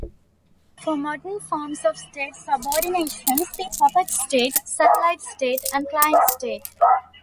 For modern forms of state subordination, see puppet state, satellite state and client state.